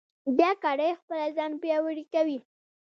دا کړۍ خپله ځان پیاوړې کوي.